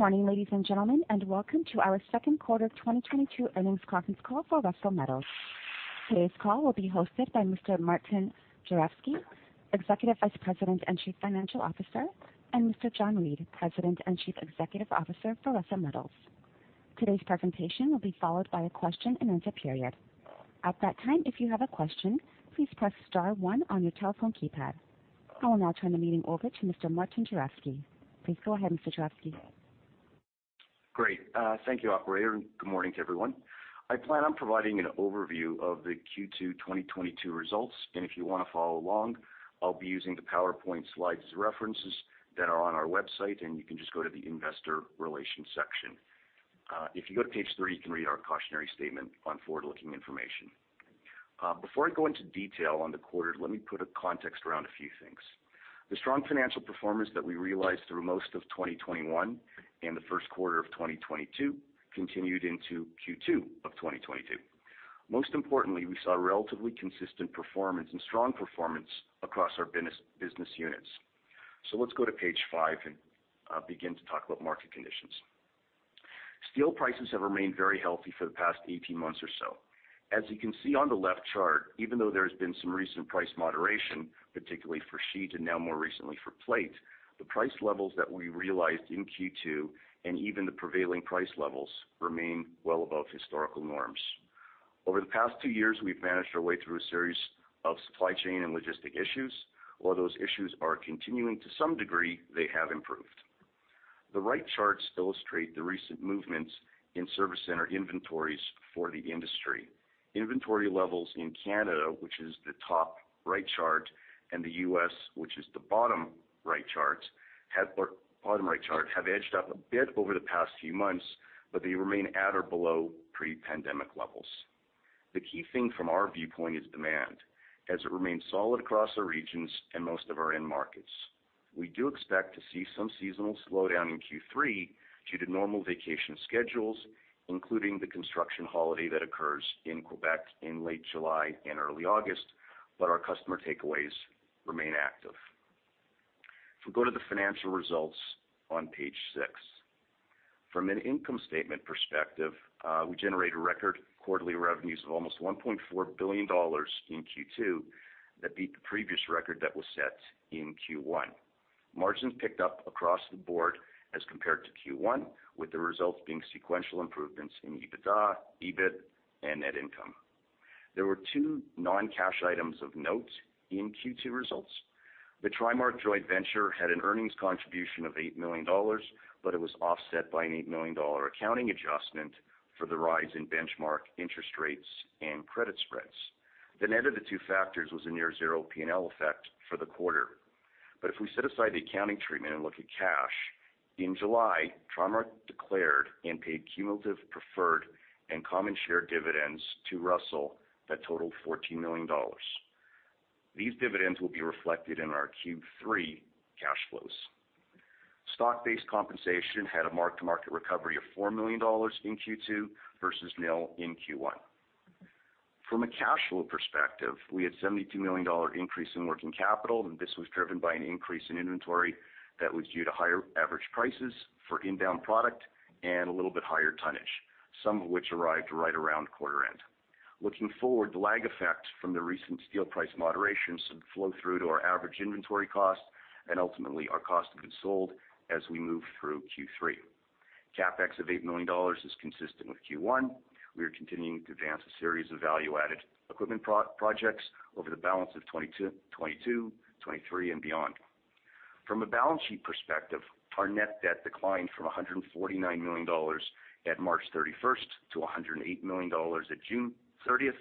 Good morning, ladies and gentlemen, and welcome to our second quarter of 2022 earnings conference call for Russel Metals. Today's call will be hosted by Mr. Martin Juravsky, Executive Vice President and Chief Financial Officer, and Mr. John Reid, President and Chief Executive Officer for Russel Metals. Today's presentation will be followed by a question-and-answer period. At that time, if you have a question, please press star one on your telephone keypad. I will now turn the meeting over to Mr. Martin Juravsky. Please go ahead, Mr. Juravsky. Great. Thank you, operator, and good morning to everyone. I plan on providing an overview of the Q2 2022 results, and if you wanna follow along, I'll be using the PowerPoint slides as references that are on our website, and you can just go to the investor relations section. If you go to page three, you can read our cautionary statement on forward-looking information. Before I go into detail on the quarter, let me put a context around a few things. The strong financial performance that we realized through most of 2021 and the first quarter of 2022 continued into Q2 of 2022. Most importantly, we saw relatively consistent performance and strong performance across our business units. Let's go to page five and begin to talk about market conditions. Steel prices have remained very healthy for the past 18 months or so. As you can see on the left chart, even though there has been some recent price moderation, particularly for sheet and now more recently for plate, the price levels that we realized in Q2, and even the prevailing price levels, remain well above historical norms. Over the past two years, we've managed our way through a series of supply chain and logistics issues. While those issues are continuing to some degree, they have improved. The right charts illustrate the recent movements in service center inventories for the industry. Inventory levels in Canada, which is the top right chart, and the U.S., which is the bottom right chart, have edged up a bit over the past few months, but they remain at or below pre-pandemic levels. The key thing from our viewpoint is demand, as it remains solid across our regions and most of our end markets. We do expect to see some seasonal slowdown in Q3 due to normal vacation schedules, including the construction holiday that occurs in Quebec in late July and early August, but our customer takeaways remain active. If we go to the financial results on page six. From an income statement perspective, we generated record quarterly revenues of almost 1.4 billion dollars in Q2 that beat the previous record that was set in Q1. Margins picked up across the board as compared to Q1, with the results being sequential improvements in EBITDA, EBIT, and net income. There were two non-cash items of note in Q2 results. The TriMark joint venture had an earnings contribution of 8 million dollars, but it was offset by an 8 million dollar accounting adjustment for the rise in benchmark interest rates and credit spreads. The net of the two factors was a near zero P&L effect for the quarter. If we set aside the accounting treatment and look at cash, in July, TriMark declared and paid cumulative preferred and common share dividends to Russel that totaled 14 million dollars. These dividends will be reflected in our Q3 cash flows. Stock-based compensation had a mark-to-market recovery of 4 million dollars in Q2 versus nil in Q1. From a cash flow perspective, we had 72 million dollar increase in working capital, and this was driven by an increase in inventory that was due to higher average prices for inbound product and a little bit higher tonnage, some of which arrived right around quarter end. Looking forward, the lag effect from the recent steel price moderation should flow through to our average inventory cost and ultimately our cost of goods sold as we move through Q3. CapEx of 8 million dollars is consistent with Q1. We are continuing to advance a series of value-added equipment projects over the balance of 2022, 2023 and beyond. From a balance sheet perspective, our net debt declined from 149 million dollars at March 31st to 108 million dollars at June 30th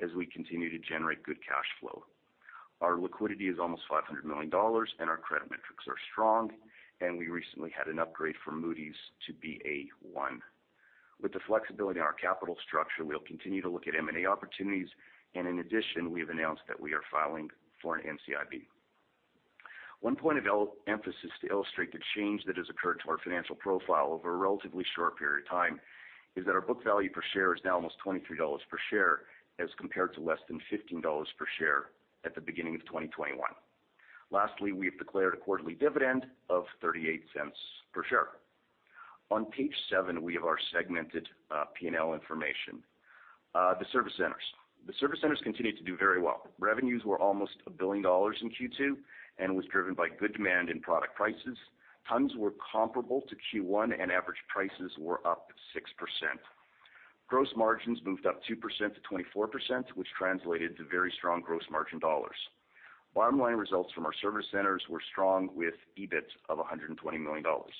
as we continue to generate good cash flow. Our liquidity is almost 500 million dollars, and our credit metrics are strong, and we recently had an upgrade from Moody's to Ba1. With the flexibility in our capital structure, we'll continue to look at M&A opportunities, and in addition, we have announced that we are filing for an NCIB. One point of emphasis to illustrate the change that has occurred to our financial profile over a relatively short period of time is that our book value per share is now almost 23 dollars per share as compared to less than 15 dollars per share at the beginning of 2021. Lastly, we have declared a quarterly dividend of 0.38 per share. On page seven, we have our segmented P&L information. The service centers continued to do very well. Revenues were almost 1 billion dollars in Q2 and was driven by good demand and product prices. Tons were comparable to Q1, and average prices were up 6%. Gross margins moved up 2% to 24%, which translated to very strong gross margin dollars. Bottom line results from our service centers were strong with EBIT of 120 million dollars.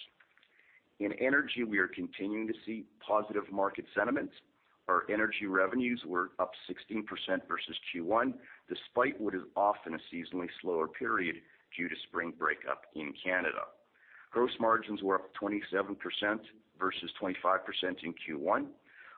In Energy, we are continuing to see positive market sentiments. Our Energy revenues were up 16% versus Q1, despite what is often a seasonally slower period due to spring break-up in Canada. Gross margins were up 27% versus 25% in Q1.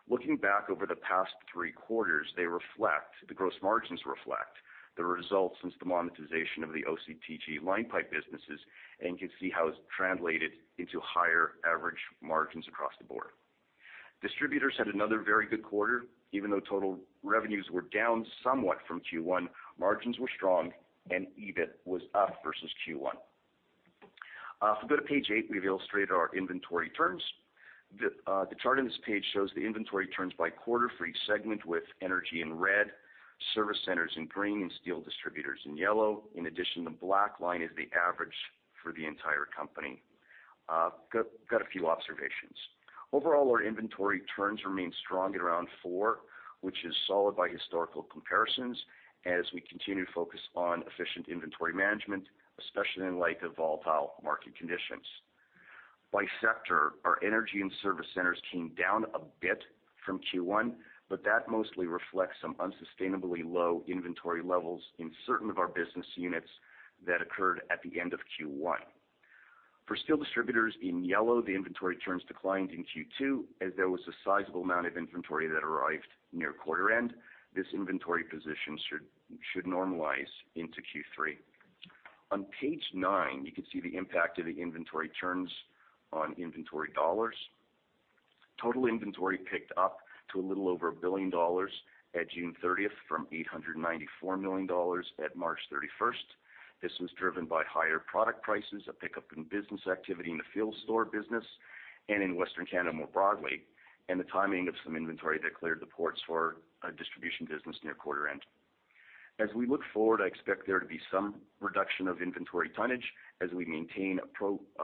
Looking back over the past three quarters, the gross margins reflect the results since the monetization of the OCTG line pipe businesses, and you can see how it's translated into higher average margins across the board. Distributors had another very good quarter. Even though total revenues were down somewhat from Q1, margins were strong and EBIT was up versus Q1. If we go to page eight, we've illustrated our inventory turns. The chart on this page shows the inventory turns by quarter for each segment, with Energy in red, Service Centers in green, and Steel Distributors in yellow. In addition, the black line is the average for the entire company. Got a few observations. Overall, our inventory turns remain strong at around four, which is solid by historical comparisons as we continue to focus on efficient inventory management, especially in light of volatile market conditions. By sector, our Energy and Service Centers came down a bit from Q1, but that mostly reflects some unsustainably low inventory levels in certain of our business units that occurred at the end of Q1. For Steel Distributors in yellow, the inventory turns declined in Q2 as there was a sizable amount of inventory that arrived near quarter end. This inventory position should normalize into Q3. On page nine, you can see the impact of the inventory turns on inventory dollars. Total inventory picked up to a little over 1 billion dollars at June 30th from 894 million dollars at March 31st. This was driven by higher product prices, a pickup in business activity in the Field Stores business and in Western Canada more broadly, and the timing of some inventory that cleared the ports for our distribution business near quarter end. As we look forward, I expect there to be some reduction of inventory tonnage as we maintain a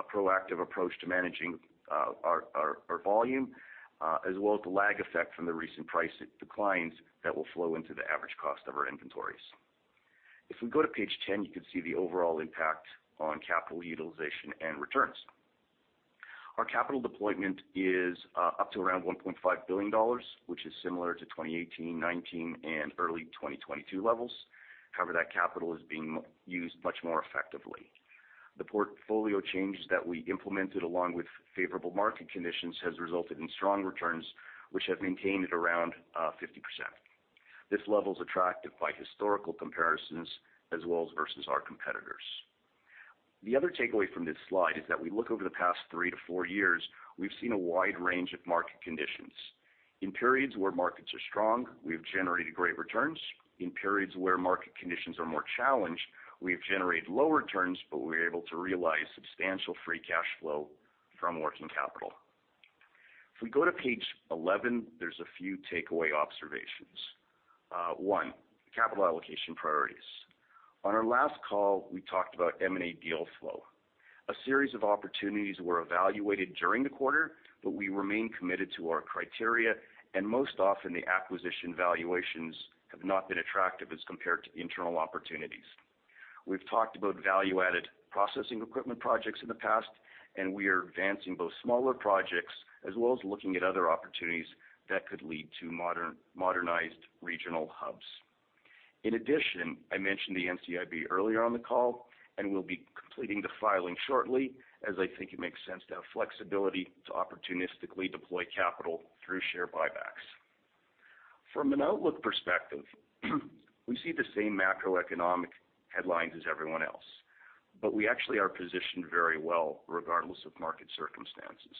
proactive approach to managing our volume as well as the lag effect from the recent price declines that will flow into the average cost of our inventories. If we go to page 10, you can see the overall impact on capital utilization and returns. Our capital deployment is up to around 1.5 billion dollars, which is similar to 2018, 2019, and early 2022 levels. However, that capital is being used much more effectively. The portfolio changes that we implemented along with favorable market conditions has resulted in strong returns, which have maintained at around 50%. This level is attractive by historical comparisons as well as versus our competitors. The other takeaway from this slide is that we look over the past three to four years, we've seen a wide range of market conditions. In periods where markets are strong, we've generated great returns. In periods where market conditions are more challenged, we've generated lower returns, but we're able to realize substantial free cash flow from working capital. If we go to page 11, there's a few takeaway observations. One, capital allocation priorities. On our last call, we talked about M&A deal flow. A series of opportunities were evaluated during the quarter, but we remain committed to our criteria, and most often the acquisition valuations have not been attractive as compared to internal opportunities. We've talked about value-added processing equipment projects in the past, and we are advancing both smaller projects as well as looking at other opportunities that could lead to modernized regional hubs. In addition, I mentioned the NCIB earlier on the call, and we'll be completing the filing shortly as I think it makes sense to have flexibility to opportunistically deploy capital through share buybacks. From an outlook perspective, we see the same macroeconomic headlines as everyone else, but we actually are positioned very well regardless of market circumstances.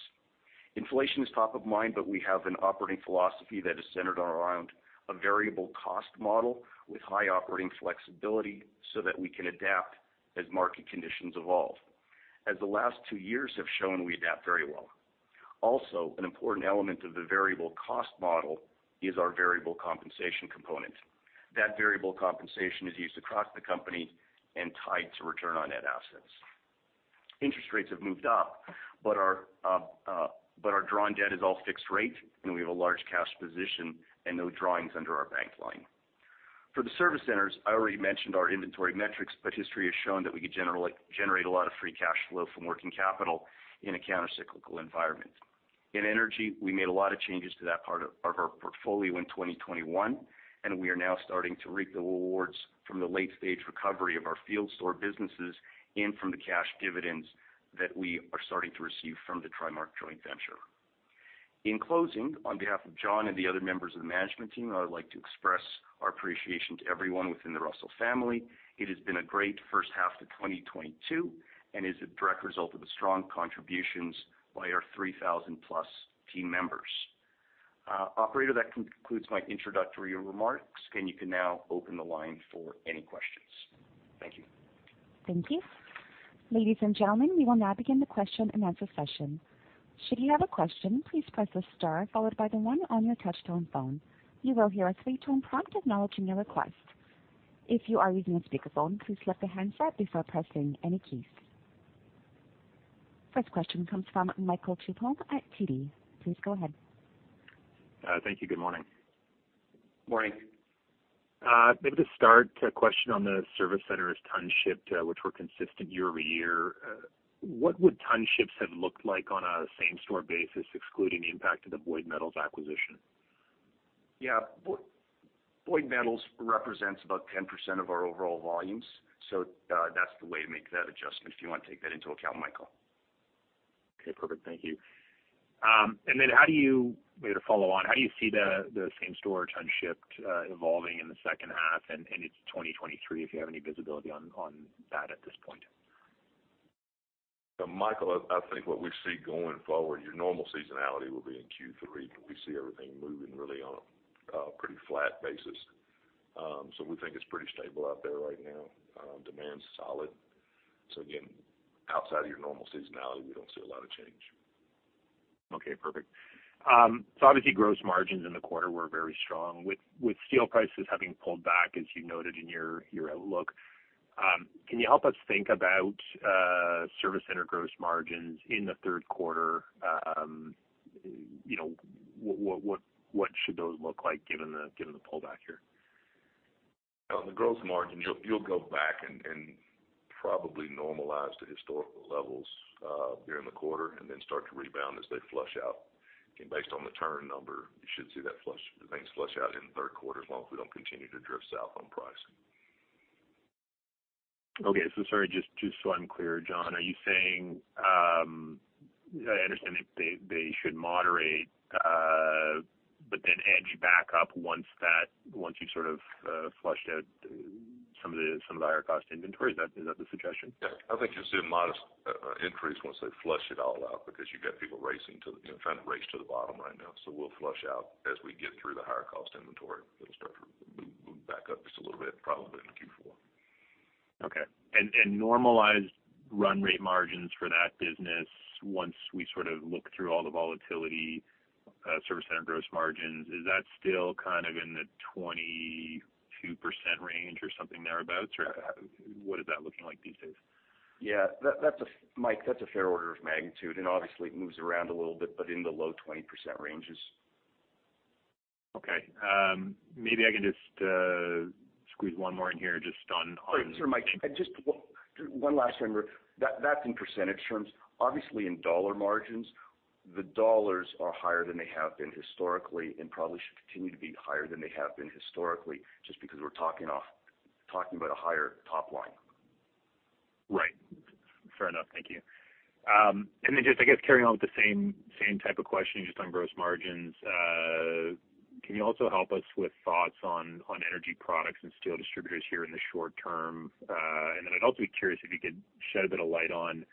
Inflation is top of mind, but we have an operating philosophy that is centered around a variable cost model with high operating flexibility so that we can adapt as market conditions evolve. As the last two years have shown, we adapt very well. Also, an important element of the variable cost model is our variable compensation component. That variable compensation is used across the company and tied to return on net assets. Interest rates have moved up, but our drawn debt is all fixed rate, and we have a large cash position and no drawings under our bank line. For the service centers, I already mentioned our inventory metrics, but history has shown that we could generate a lot of free cash flow from working capital in a countercyclical environment. In Energy, we made a lot of changes to that part of our portfolio in 2021, and we are now starting to reap the rewards from the late-stage recovery of our Field Stores businesses and from the cash dividends that we are starting to receive from the TriMark joint venture. In closing, on behalf of John and the other members of the management team, I would like to express our appreciation to everyone within the Russel family. It has been a great first half of 2022 and is a direct result of the strong contributions by our 3,000+ team members. Operator, that concludes my introductory remarks. You can now open the line for any questions. Thank you. Thank you. Ladies and gentlemen, we will now begin the question-and-answer session. Should you have a question, please press the star followed by the one on your touch-tone phone. You will hear a three-tone prompt acknowledging your request. If you are using a speakerphone, please lift the handset before pressing any keys. First question comes from Michael Tupholme at TD. Please go ahead. Thank you. Good morning. Morning. Maybe to start, a question on the service centers tons shipped, which were consistent year-over-year. What would tons shipped have looked like on a same-store basis, excluding the impact of the Boyd Metals acquisition? Yeah. Boyd Metals represents about 10% of our overall volumes. That's the way to make that adjustment if you want to take that into account, Michael. Okay. Perfect. Thank you. Maybe to follow on, how do you see the same-store tons shipped, evolving in the second half and into 2023, if you have any visibility on that at this point? Michael, I think what we see going forward, your normal seasonality will be in Q3, but we see everything moving really on a pretty flat basis. We think it's pretty stable out there right now. Demand's solid. Again, outside of your normal seasonality, we don't see a lot of change. Okay, perfect. Obviously gross margins in the quarter were very strong. With steel prices having pulled back, as you noted in your outlook, can you help us think about Service Center gross margins in the third quarter? You know, what should those look like given the pullback here? On the gross margins, you'll go back and probably normalize to historical levels during the quarter and then start to rebound as they flush out. Based on the turn number, you should see that things flush out in the third quarter as long as we don't continue to drift south on pricing. Okay. Sorry, just so I'm clear, John, are you saying I understand that they should moderate, but then edge back up once you've sort of flushed out some of the higher cost inventory. Is that the suggestion? Yeah. I think you'll see a modest increase once they flush it all out because you've got people racing to, you know, trying to race to the bottom right now. We'll flush out as we get through the higher cost inventory. It'll start to move back up just a little bit, probably in Q4. Okay. Normalized run rate margins for that business once we sort of look through all the volatility, Service Center gross margins, is that still kind of in the 22% range or something thereabout? Or what is that looking like these days? Yeah. That's a fair order of magnitude, Mike, and obviously, it moves around a little bit, but in the low 20% ranges. Okay. Maybe I can just squeeze one more in here just on. Sorry, Mike, just one last number. That's in percentage terms. Obviously, in dollar margins, the dollars are higher than they have been historically and probably should continue to be higher than they have been historically, just because we're talking about a higher top line. Right. Fair enough. Thank you. Just I guess carrying on with the same type of question, just on gross margins, can you also help us with thoughts on Energy Products and Steel Distributors here in the short term? I'd also be curious if you could shed a bit of light on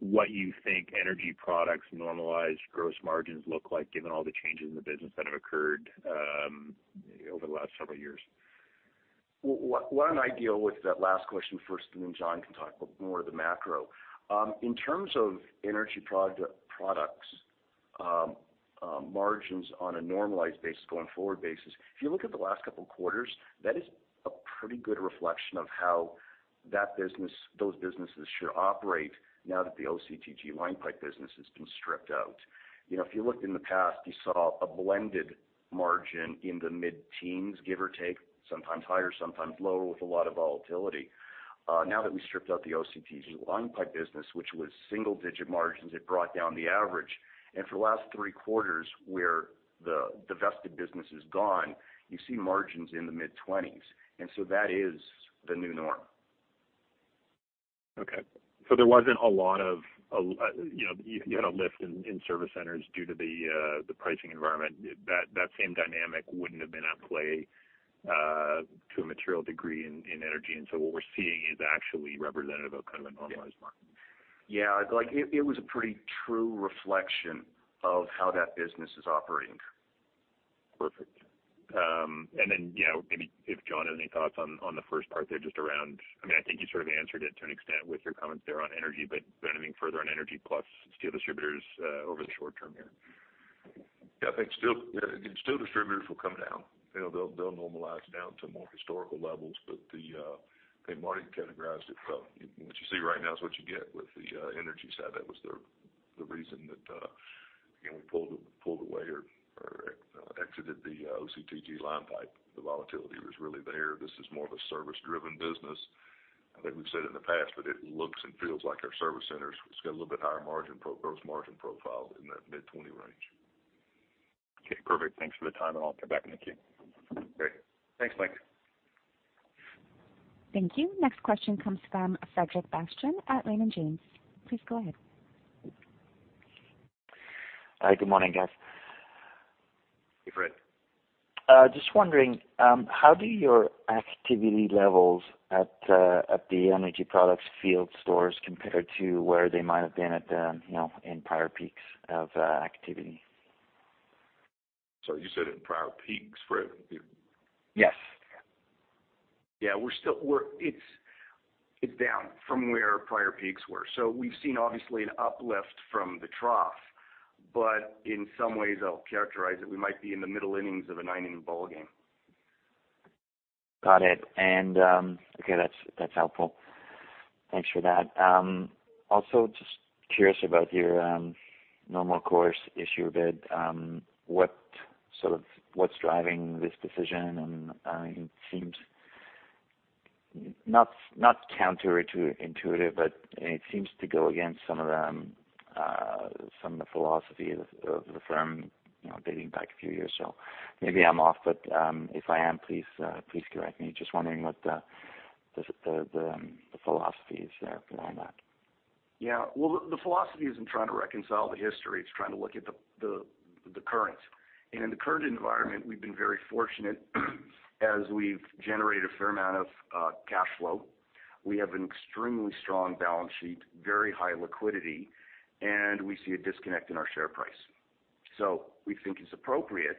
what you think Energy Products normalized gross margins look like given all the changes in the business that have occurred over the last several years? Well, why don't I deal with that last question first, and then John can talk about more of the macro. In terms of Energy Products, margins on a normalized basis, going forward basis, if you look at the last couple of quarters, that is a pretty good reflection of how that business, those businesses should operate now that the OCTG line pipe business has been stripped out. You know, if you looked in the past, you saw a blended margin in the mid-teens, give or take, sometimes higher, sometimes lower, with a lot of volatility. Now that we stripped out the OCTG line pipe business, which was single-digit margins, it brought down the average. For the last three quarters, where the divested business is gone, you see margins in the mid-20s. That is the new norm. Okay. There wasn't a lot of, you know, you had a lift in Service Centers due to the pricing environment. That same dynamic wouldn't have been at play to a material degree in Energy. What we're seeing is actually representative of kind of a normalized margin. Yeah. Like it was a pretty true reflection of how that business is operating. Perfect. Then, you know, maybe if John has any thoughts on the first part there. I mean, I think you sort of answered it to an extent with your comments there on Energy, but got anything further on Energy plus Steel Distributors over the short term here? Yeah. I think Steel Distributors will come down. You know, they'll normalize down to more historical levels. I think Marty categorized it well. What you see right now is what you get with the Energy side. That was the reason that, again, we pulled away or exited the OCTG line pipe. The volatility was really there. This is more of a service-driven business. I think we've said in the past, but it looks and feels like our Service Centers. It's got a little bit higher gross margin profile in that mid-20% range. Okay, perfect. Thanks for the time, and I'll come back. Thank you. Great. Thanks, Mike. Thank you. Next question comes from Frederic Bastien at Raymond James. Please go ahead. Hi. Good morning, guys. Hey, Fred. Just wondering, how do your activity levels at the Energy Products Field Stores compare to where they might have been at the, you know, in prior peaks of activity? Sorry, you said in prior peaks, Fred? Yes. Yeah, we're still. It's down from where prior peaks were. We've seen obviously an uplift from the trough, but in some ways, I'll characterize it, we might be in the middle innings of a nine-inning ballgame. Got it. Okay, that's helpful. Thanks for that. Also, just curious about your normal course issuer bid, sort of what's driving this decision? It seems not counter-intuitive, but it seems to go against some of the philosophy of the firm, you know, dating back a few years. Maybe I'm off, but if I am, please correct me. Just wondering what the philosophy is there behind that. Yeah. Well, the philosophy isn't trying to reconcile the history. It's trying to look at the current. In the current environment, we've been very fortunate as we've generated a fair amount of cash flow. We have an extremely strong balance sheet, very high liquidity, and we see a disconnect in our share price. We think it's appropriate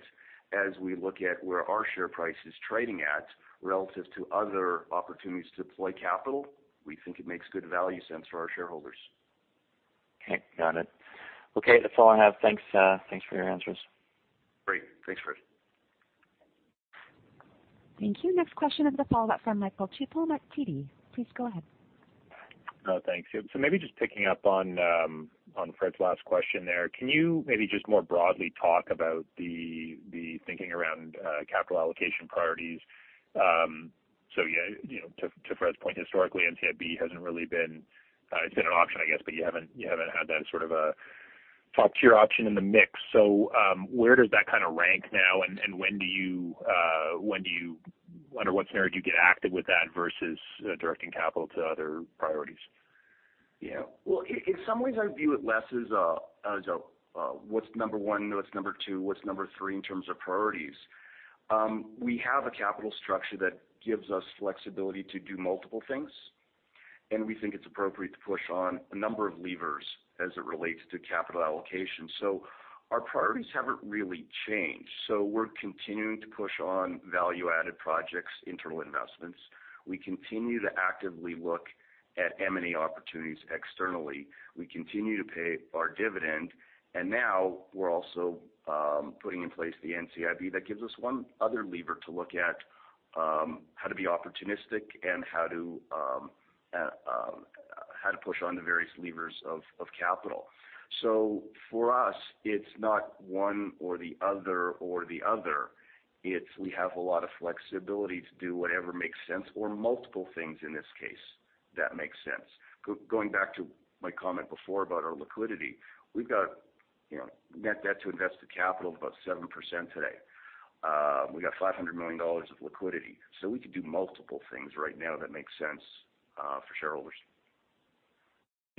as we look at where our share price is trading at relative to other opportunities to deploy capital. We think it makes good value sense for our shareholders. Okay. Got it. Okay. That's all I have. Thanks for your answers. Great. Thanks, Fred. Thank you. Next question is a follow-up from Michael Tupholme at TD. Please go ahead. Oh, thanks. Maybe just picking up on Fred's last question there. Can you maybe just more broadly talk about the thinking around capital allocation priorities? You know, to Fred's point, historically, NCIB hasn't really been. It's been an option, I guess, but you haven't had that sort of a top-tier option in the mix. Where does that kinda rank now and when do you under what scenario do you get active with that versus directing capital to other priorities? Yeah. Well, in some ways, I view it less as a what's number one, what's number two, what's number three in terms of priorities. We have a capital structure that gives us flexibility to do multiple things, and we think it's appropriate to push on a number of levers as it relates to capital allocation. Our priorities haven't really changed. We're continuing to push on value-added projects, internal investments. We continue to actively look at M&A opportunities externally. We continue to pay our dividend, and now we're also putting in place the NCIB that gives us one other lever to look at how to be opportunistic and how to push on the various levers of capital. For us, it's not one or the other or the other. It's we have a lot of flexibility to do whatever makes sense or multiple things in this case that makes sense. Going back to my comment before about our liquidity, we've got, you know, net debt to invested capital of about 7% today. We got 500 million dollars of liquidity, so we could do multiple things right now that make sense for shareholders.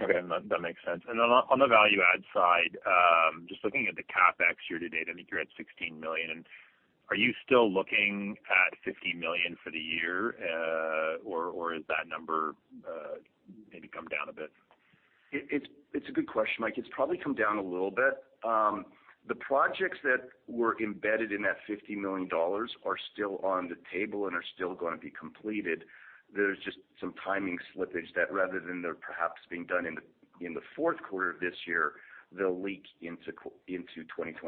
Okay. That makes sense. Then on the value add side, just looking at the CapEx year-to-date, I think you're at 16 million. Are you still looking at 50 million for the year, or is that number maybe come down a bit? It's a good question, Mike. It's probably come down a little bit. The projects that were embedded in that 50 million dollars are still on the table and are still gonna be completed. There's just some timing slippage that rather than they're perhaps being done in the fourth quarter of this year, they'll leak into 2023.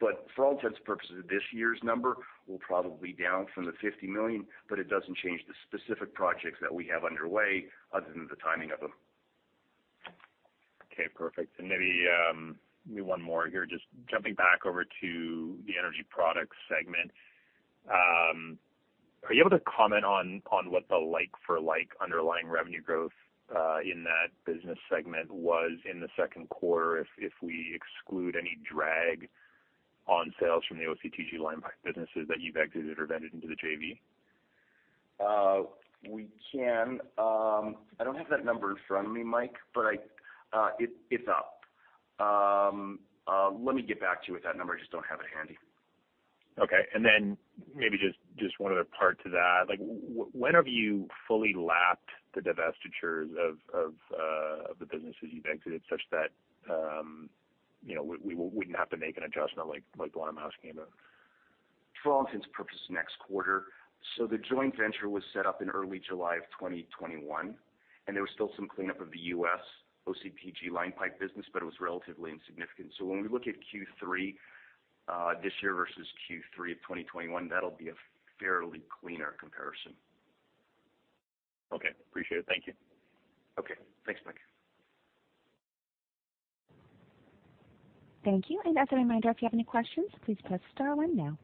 For all intents and purposes, this year's number will probably be down from the 50 million, but it doesn't change the specific projects that we have underway other than the timing of them. Okay. Perfect. Maybe one more here. Just jumping back over to the Energy Products segment, are you able to comment on what the like-for-like underlying revenue growth in that business segment was in the second quarter if we exclude any drag on sales from the OCTG line pipe businesses that you've exited or ventured into the JV? I don't have that number in front of me, Mike, but it's up. Let me get back to you with that number. I just don't have it handy. Okay. Maybe just one other part to that. Like, when have you fully lapped the divestitures of the businesses you've exited such that, you know, we wouldn't have to make an adjustment like what I'm asking about? For all intents and purposes next quarter. The joint venture was set up in early July of 2021, and there was still some cleanup of the U.S. OCTG line pipe business, but it was relatively insignificant. When we look at Q3 this year versus Q3 of 2021, that'll be a fairly cleaner comparison. Okay. Appreciate it. Thank you. Okay. Thanks, Mike. Thank you. As a reminder, if you have any questions, please press star one now.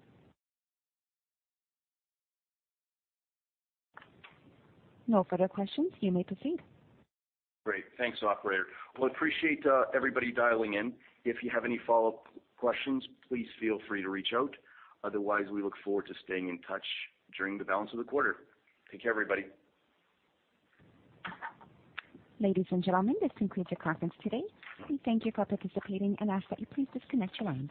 No further questions. You may proceed. Great. Thanks, operator. Well, I appreciate everybody dialing in. If you have any follow-up questions, please feel free to reach out. Otherwise, we look forward to staying in touch during the balance of the quarter. Take care, everybody. Ladies and gentlemen, this concludes your conference today. We thank you for participating and ask that you please disconnect your lines.